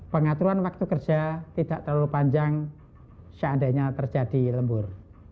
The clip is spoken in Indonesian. pengaturan waktu kerja tidak terlalu panjang seandainya terjadi lembur